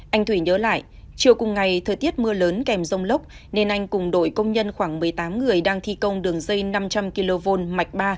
anh thủy nhớ lại chiều cùng ngày thời tiết mưa lớn kèm rông lốc nên anh cùng đội công nhân khoảng một mươi tám người đang thi công đường dây năm trăm linh kv mạch ba